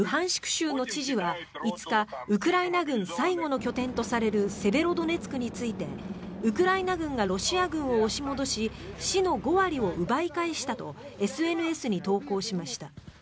州の知事は５日ウクライナ軍最後の拠点とされるセベロドネツクについてウクライナ軍がロシア軍を押し戻し市の５割を奪い返したとＳＮＳに投稿しました。